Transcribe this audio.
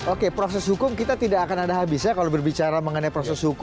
oke proses hukum kita tidak akan ada habisnya kalau berbicara mengenai proses hukum